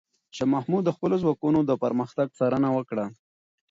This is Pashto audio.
شاه محمود د خپلو ځواکونو د پرمختګ څارنه وکړه.